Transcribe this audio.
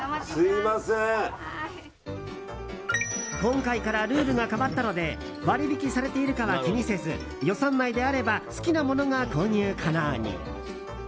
今回からルールが変わったので割引されているかは気にせず予算内であれば好きなものが購入可能に。